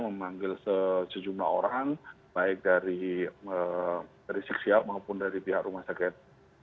memanggil sejumlah orang baik dari rizik sihab maupun dari pihak rumah sakit